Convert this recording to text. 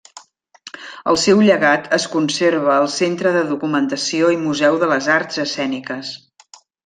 El seu llegat es conserva al Centre de Documentació i Museu de les Arts Escèniques.